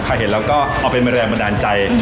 เห็นแล้วก็เอาเป็นแรงบันดาลใจ